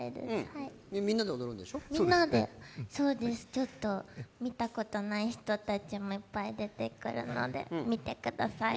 ちょっと見たことない人もいっぱい出てくるので見てください。